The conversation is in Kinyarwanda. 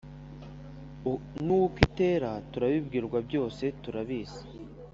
n’uko itera turabibwirwa byose turabizi